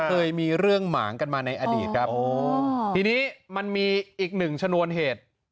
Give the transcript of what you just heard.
เคยมีเรื่องหมางกันมาในอดีตครับทีนี้มันมีอีกหนึ่งชนวนเหตุ